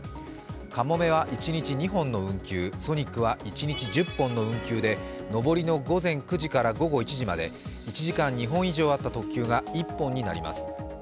かもめは一日２本の運休、ソニックは一日１０本の運休で上りの午前９時から午後１時まで、１時間２本以上あった特急が１本になります。